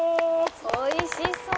「おいしそう！」